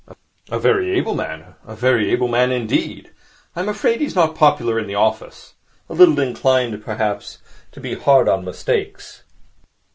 'A very able man. A very able man indeed. I'm afraid he's not popular in the office. A little inclined, perhaps, to be hard on mistakes.